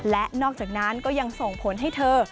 และนอกจากนั้นก็ยังส่งผลให้เธอ